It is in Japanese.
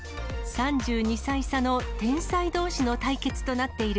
３２歳差の天才どうしの対決となっている